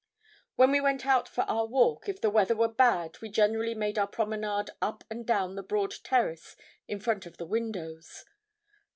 When we went out for our walk, if the weather were bad we generally made our promenade up and down the broad terrace in front of the windows.